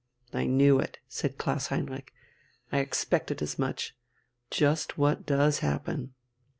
"I knew it," said Klaus Heinrich, "I expected as much. Just what does happen."